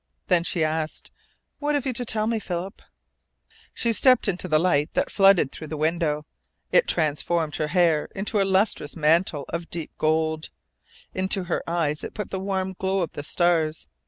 Then she asked: "What have you to tell me, Philip?" She had stepped into the light that flooded through the window. It transformed her hair into a lustrous mantle of deep gold; into her eyes it put the warm glow of the stars.